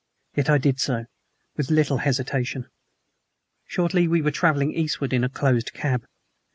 Yet I did so, and with little hesitation; shortly we were traveling eastward in a closed cab.